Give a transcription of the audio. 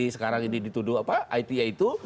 sekarang ini dituduh ita itu